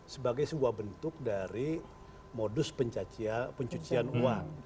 sebagai sebuah bentuk dari modus pencucian uang